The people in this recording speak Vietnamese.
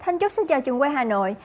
thanh trúc xin chào trường quay hà nội